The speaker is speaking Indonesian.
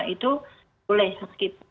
itu boleh sakit